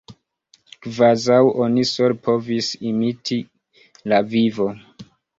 Kvazaŭ oni sole povis imiti la vivo!